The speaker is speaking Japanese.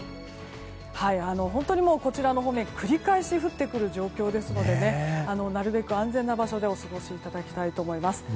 本当にこちらの方面で繰り返し降ってくる予想ですのでなるべく安全な場所でお過ごしいただきたいと思います。